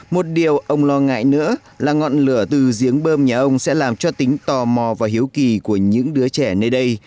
một điều ông lo ngại nữa là ngọn lửa từ giếng bơm nhà ông sẽ làm cho tính tò mò và hiếu kỳ của những đứa trẻ nơi đây